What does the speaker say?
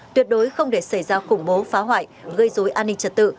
tuyệt đối không để xảy ra khủng bố phá hoại gây dối an ninh trật tự